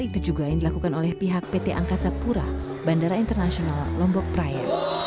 pemerintahan yang berhasil diadakan oleh pihak pt angkasa pura bandara international lombok praya